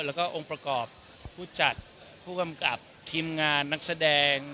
แล้วก็องค์ประกอบผู้จัดผู้กำกับทีมงานนักแสดง